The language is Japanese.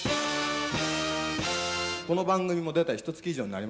この番組も出てひとつき以上になりますので。